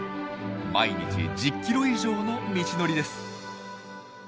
毎日１０キロ以上の道のりです。